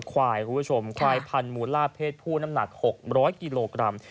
ควายควายพันธุ์มูราเพศผู้๖๐๐กิโลกรัม